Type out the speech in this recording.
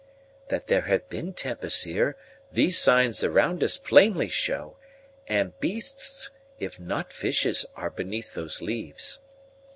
"That there have been tempests here, these signs around us plainly show; and beasts, if not fishes, are beneath those leaves."